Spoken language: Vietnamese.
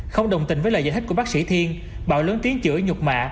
không đồng tình với lời giải thích của bác sĩ thiên bảo lớn tiếng chữa nhục mạ